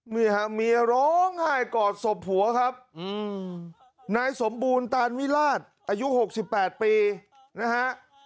นี่ฮะเมียร้องไห้กอดศพผัวครับนายสมบูรณ์ตานวิราชอายุ๖๘ปีนะฮะ